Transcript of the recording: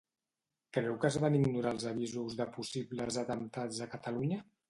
Creu que es van ignorar els avisos de possibles atemptats a Catalunya.